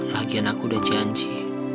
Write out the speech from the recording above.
lagian aku udah janji